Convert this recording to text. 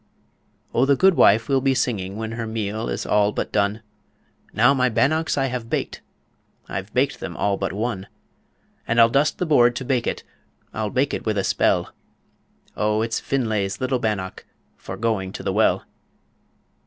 O, the good wife will be singing When her meal is all but done Now all my bannocks have I baked, I've baked them all but one; And I'll dust the board to bake it, I'll bake it with a spell O, it's Finlay's little bannock For going to the well.